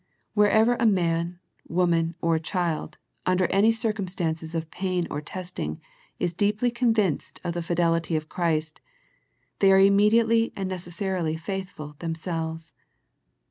Wherever a man, woman, or child under any circum stances of pain or testing is deeply convinced of the fidelity of Christ, they are immediately and necessarily faithful themselves.